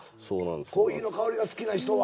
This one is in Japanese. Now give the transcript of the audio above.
コーヒーの香りが好きな人は。